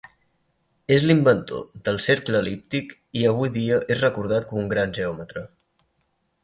És l'inventor del cercle el·líptic i avui dia és recordat com un gran geòmetra.